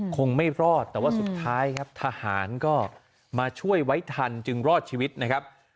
คงไม่รอดแต่ว่าสุดท้ายครับทหารก็มาช่วยไว้ทันจึงรอดชีวิตนะครับ